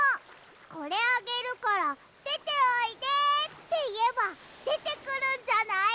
これあげるからでておいでっていえばでてくるんじゃない！？